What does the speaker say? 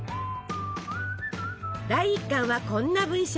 第１巻はこんな文章。